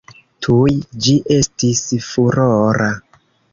Tuj ĝi estis furora.